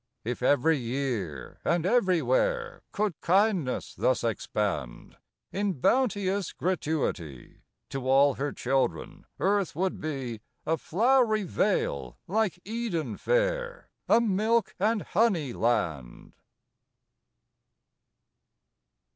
If every year and everywhere Could kindness thus expand In bounteous gratuity, To all her children earth would be A flowery vale like Eden fair, A milk and honey land.